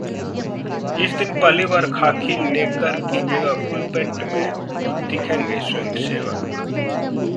इस दिन पहली बार खाकी नेकर की जगह फुल पैंट में दिखेंगे स्वयंसेवक